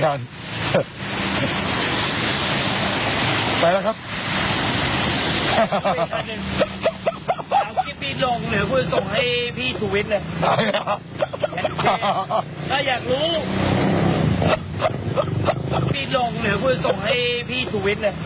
ไม่แก่มรู้